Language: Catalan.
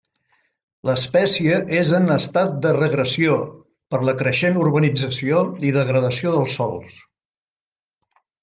L'espècie és en estat de regressió per la creixent urbanització i degradació dels sòls.